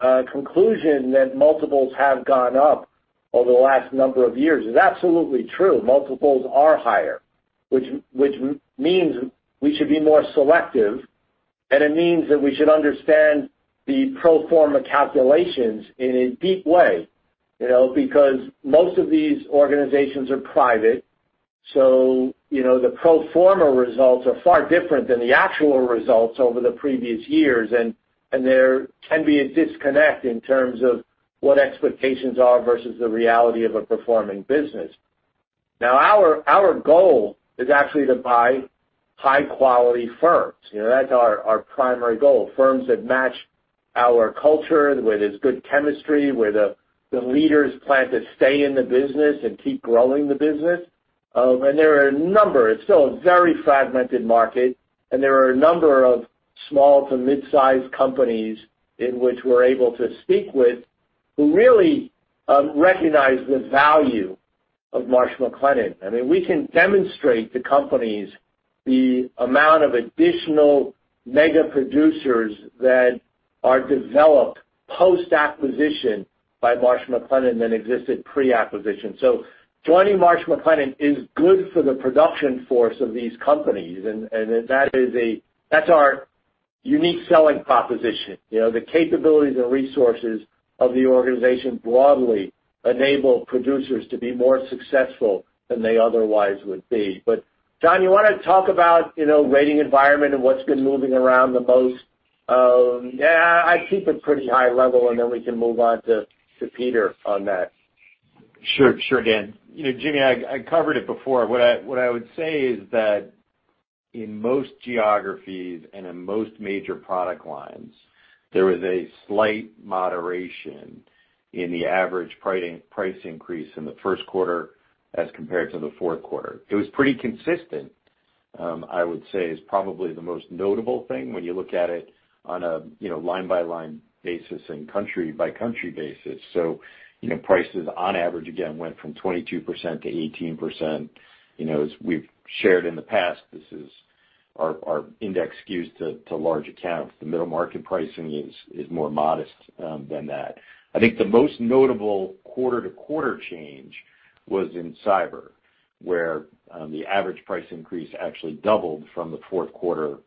conclusion that multiples have gone up over the last number of years is absolutely true. Multiples are higher, which means we should be more selective, and it means that we should understand the pro forma calculations in a deep way because most of these organizations are private. The pro forma results are far different than the actual results over the previous years. There can be a disconnect in terms of what expectations are versus the reality of a performing business. Our goal is actually to buy high-quality firms. That's our primary goal, firms that match our culture, where there's good chemistry, where the leaders plan to stay in the business and keep growing the business. There are a number. It's still a very fragmented market, and there are a number of small to mid-size companies in which we're able to speak with who really recognize the value of Marsh McLennan. We can demonstrate to companies the amount of additional mega producers that are developed post-acquisition by Marsh McLennan than existed pre-acquisition. Joining Marsh McLennan is good for the production force of these companies, and that's our unique selling proposition. The capabilities and resources of the organization broadly enable producers to be more successful than they otherwise would be. John, you want to talk about rating environment and what's been moving around the most? I'd keep it pretty high level, and then we can move on to Peter on that. Sure, Dan. Jimmy, I covered it before. What I would say is that in most geographies and in most major product lines, there was a slight moderation in the average price increase in the first quarter as compared to the fourth quarter. It was pretty consistent, I would say, is probably the most notable thing when you look at it on a line-by-line basis and country-by-country basis. Prices on average, again, went from 22%-18%. As we've shared in the past, this is our index skews to large accounts. The middle market pricing is more modest than that. I think the most notable quarter-to-quarter change was in cyber, where the average price increase actually doubled from the fourth quarter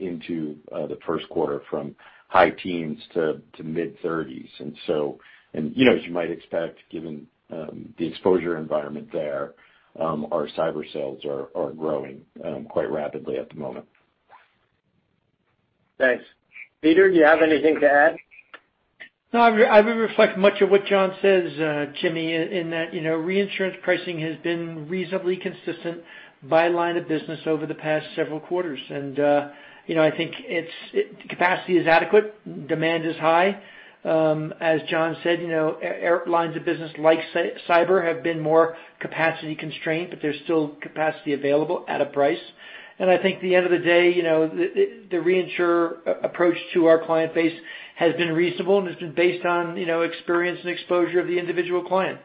into the first quarter, from high teens to mid-30s. As you might expect, given the exposure environment there, our cyber sales are growing quite rapidly at the moment. Thanks. Peter, do you have anything to add? No, I would reflect much of what John says, Jimmy, in that reinsurance pricing has been reasonably consistent by line of business over the past several quarters. I think capacity is adequate. Demand is high. As John said, lines of business like cyber have been more capacity constrained, but there's still capacity available at a price. I think at the end of the day, the reinsurer approach to our client base has been reasonable, and it's been based on experience and exposure of the individual client.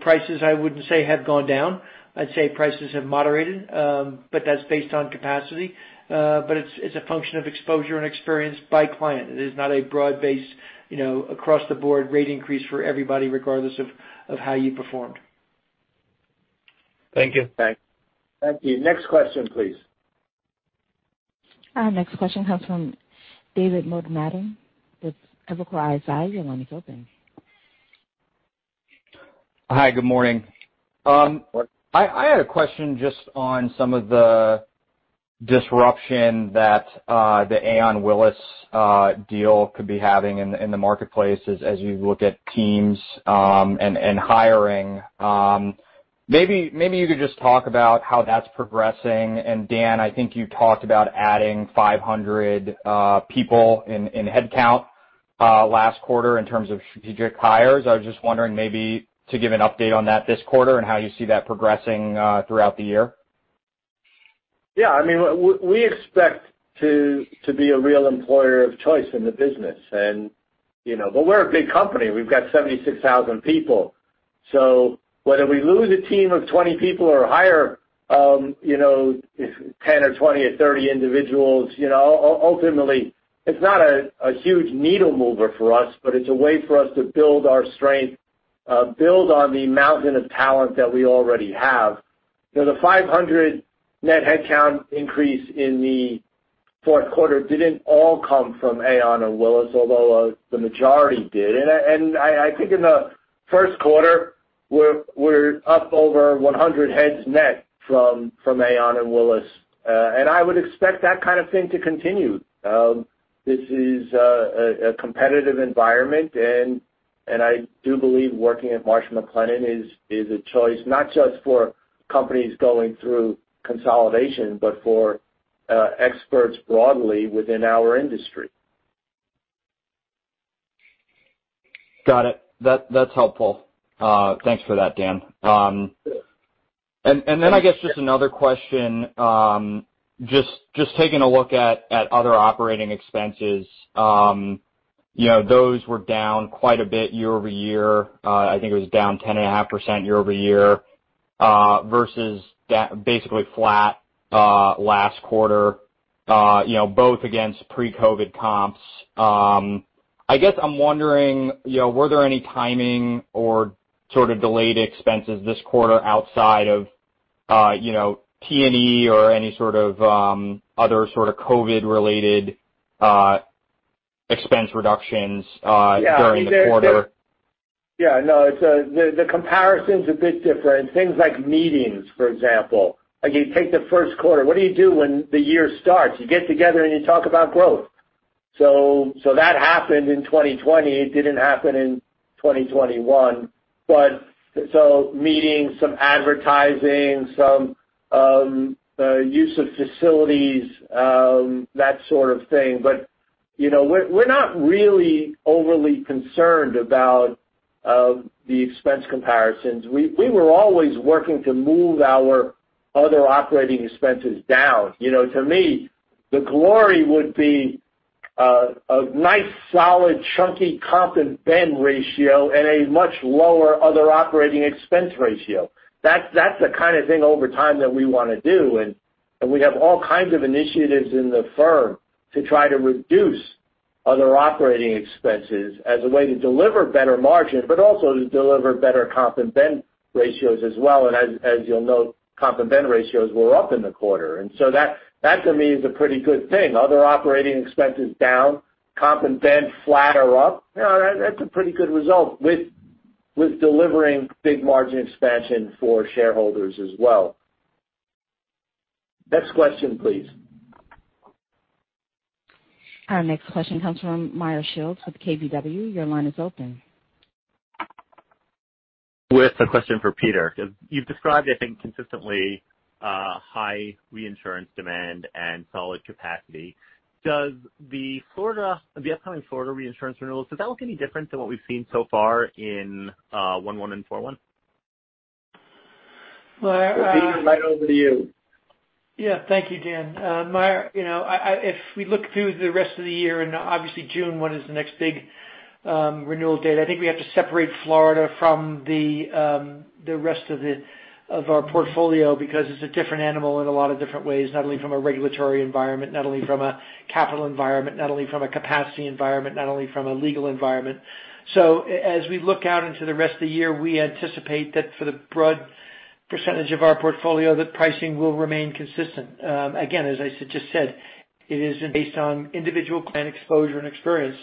Prices, I wouldn't say have gone down. I'd say prices have moderated, but that's based on capacity. It's a function of exposure and experience by client. It is not a broad-based, across-the-board rate increase for everybody, regardless of how you performed. Thank you. Thanks. Thank you. Next question, please. Next question comes from David Motemaden with Evercore ISI. Your line is open. Hi, good morning. I had a question just on some of the disruption that the Aon Willis deal could be having in the marketplace as you look at teams and hiring. Maybe you could just talk about how that's progressing. Dan, I think you talked about adding 500 people in headcount last quarter in terms of strategic hires. I was just wondering maybe to give an update on that this quarter and how you see that progressing throughout the year. Yeah. We expect to be a real employer of choice in the business. We're a big company. We've got 76,000 people. Whether we lose a team of 20 people or hire 10 or 20 or 30 individuals, ultimately it's not a huge needle mover for us, but it's a way for us to build our strength, build on the mountain of talent that we already have. The 500 net headcount increase in the fourth quarter didn't all come from Aon or Willis, although the majority did. I think in the first quarter, we're up over 100 heads net from Aon and Willis. I would expect that kind of thing to continue. This is a competitive environment, and I do believe working at Marsh McLennan is a choice, not just for companies going through consolidation, but for experts broadly within our industry. Got it. That's helpful. Thanks for that, Dan. I guess just another question, just taking a look at other operating expenses. Those were down quite a bit year-over-year. I think it was down 10.5% year-over-year, versus basically flat last quarter, both against pre-COVID comps. I guess I'm wondering, were there any timing or sort of delayed expenses this quarter outside of T&E or any sort of other COVID-related expense reductions during the quarter? Yeah, no, the comparison's a bit different. Things like meetings, for example. Like you take the first quarter, what do you do when the year starts? You get together, and you talk about growth. That happened in 2020. It didn't happen in 2021. Meetings, some advertising, some use of facilities, that sort of thing. We're not really overly concerned about the expense comparisons. We were always working to move our other operating expenses down. To me, the glory would be a nice, solid, chunky comp and ben ratio and a much lower other operating expense ratio. That's the kind of thing over time that we want to do, and we have all kinds of initiatives in the firm to try to reduce other operating expenses as a way to deliver better margin, but also to deliver better comp and ben ratios as well. As you'll note, comp and ben ratios were up in the quarter. That to me is a pretty good thing. Other operating expenses down, comp and ben flat or up, that's a pretty good result with delivering big margin expansion for shareholders as well. Next question, please. Our next question comes from Meyer Shields with KBW. Your line is open. With a question for Peter. You've described, I think, consistently high reinsurance demand and solid capacity. Does the upcoming Florida reinsurance renewals look any different than what we've seen so far in 01/01 and 04/01? Peter, right over to you. Thank you, Dan. Meyer, if we look through the rest of the year, and obviously June 1 is the next big renewal date, I think we have to separate Florida from the rest of our portfolio because it's a different animal in a lot of different ways, not only from a regulatory environment, not only from a capital environment, not only from a capacity environment, not only from a legal environment. As we look out into the rest of the year, we anticipate that for the broad percentage of our portfolio, that pricing will remain consistent. Again, as I just said, it isn't based on individual client exposure and experience.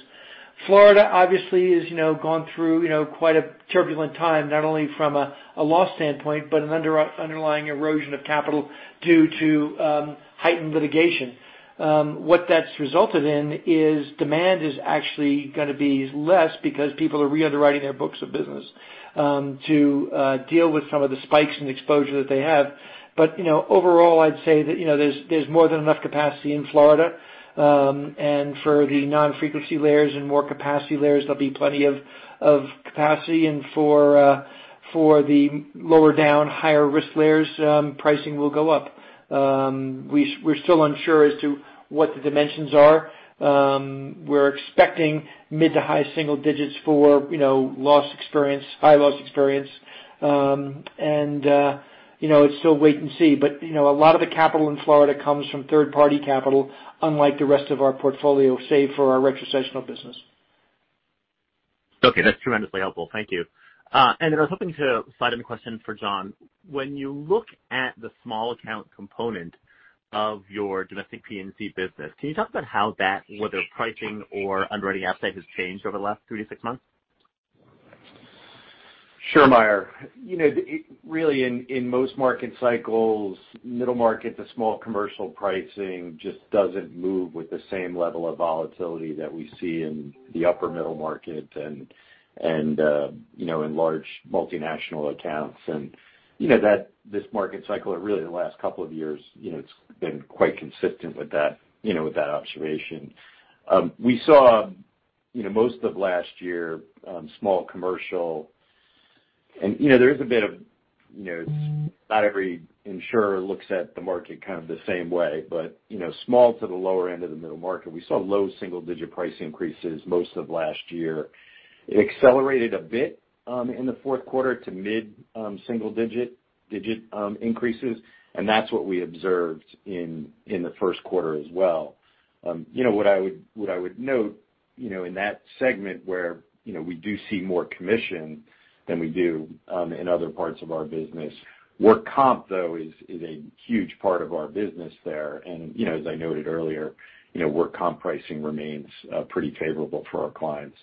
Florida obviously has gone through quite a turbulent time, not only from a loss standpoint, but an underlying erosion of capital due to heightened litigation. What that's resulted in is demand is actually going to be less because people are re-underwriting their books of business to deal with some of the spikes in exposure that they have. Overall, I'd say that there's more than enough capacity in Florida. For the non-frequency layers and more capacity layers, there'll be plenty of capacity. For the lower down higher risk layers, pricing will go up. We're still unsure as to what the dimensions are. We're expecting mid to high single digits for high loss experience, and it's still wait and see. A lot of the capital in Florida comes from third-party capital, unlike the rest of our portfolio, save for our retrocessional business. Okay. That's tremendously helpful. Thank you. I was hoping to slide in a question for John. When you look at the small account component of your domestic P&C business, can you talk about how that, whether pricing or underwriting upside has changed over the last three to six months? Sure, Meyer. Really in most market cycles, middle market to small commercial pricing just doesn't move with the same level of volatility that we see in the upper middle market and in large multinational accounts. This market cycle, or really the last couple of years, it's been quite consistent with that observation. We saw most of last year small commercial, and there is a bit of, not every insurer looks at the market kind of the same way, but small to the lower end of the middle market, we saw low single-digit price increases most of last year. It accelerated a bit in the fourth quarter to mid-single-digit increases, and that's what we observed in the first quarter as well. What I would note in that segment where we do see more commission than we do in other parts of our business, work comp, though, is a huge part of our business there. As I noted earlier, work comp pricing remains pretty favorable for our clients.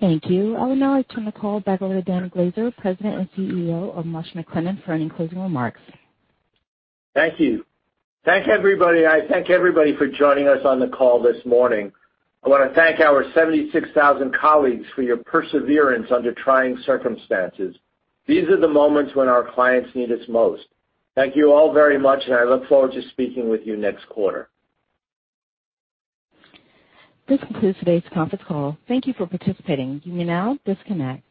Thank you. I will now turn the call back over to Dan Glaser, President and CEO of Marsh McLennan, for any closing remarks. Thank you. Thank you, everybody. I thank everybody for joining us on the call this morning. I want to thank our 76,000 colleagues for your perseverance under trying circumstances. These are the moments when our clients need us most. Thank you all very much, and I look forward to speaking with you next quarter. This concludes today's conference call. Thank you for participating. You may now disconnect.